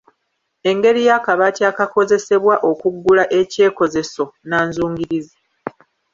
Engeri y'akabaati ak'akozesebwa okuggula ekyekozeso nnanzungirizi.